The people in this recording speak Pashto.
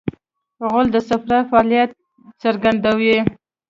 غول د صفرا فعالیت څرګندوي.